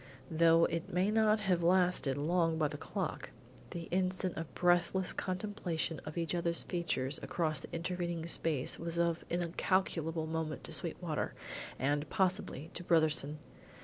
Though it may not have lasted long by the clock, the instant of breathless contemplation of each other's features across the intervening space was of incalculable moment to Sweetwater, and, possibly, to Brotherson.